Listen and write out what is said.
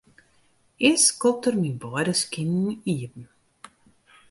Earst skopt er myn beide skinen iepen.